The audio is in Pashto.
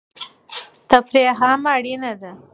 تفریح هم اړینه ده.